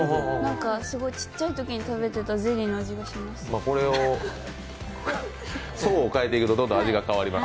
ちっちゃいときに食べてたゼリーの味がします。